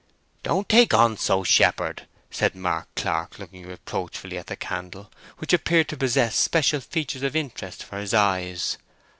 "Don't take on so, shepherd!" said Mark Clark, looking reproachfully at the candle, which appeared to possess special features of interest for his eyes.